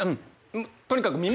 とにかく。